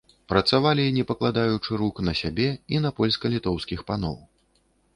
Працавалі не пакладаючы рук на сябе і на польска-літоўскіх паноў.